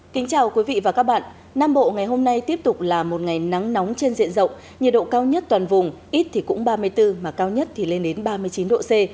kính chào quý vị và các bạn nam bộ ngày hôm nay tiếp tục là một ngày nắng nóng trên diện rộng nhiệt độ cao nhất toàn vùng ít thì cũng ba mươi bốn mà cao nhất thì lên đến ba mươi chín độ c